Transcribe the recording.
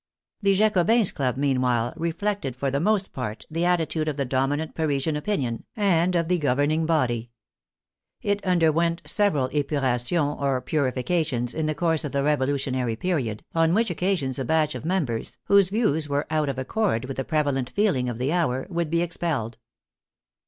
The Jacobins' Club meanwhile reflected for the most part the attitude of the dominant Parisian opinion, and of the governing body. It underwent several epurations, or purifications, in the course of the revolutionary period, on which occasions a batch of members, whose views were out of accord with the prevalent feeling of the hour, would be expelled.